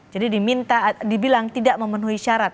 jadi dibilang tidak memenuhi syarat